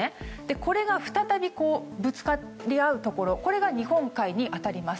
それがぶつかり合うところがこれが日本海に当たります。